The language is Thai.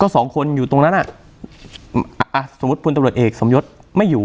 สองคนอยู่ตรงนั้นอ่ะสมมุติพลตำรวจเอกสมยศไม่อยู่